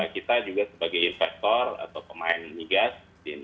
kita juga sebagai investor atau pemain minyak gas